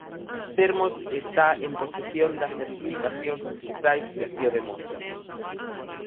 Sermos está en posesión das certificacións rexistrais que así o demostran.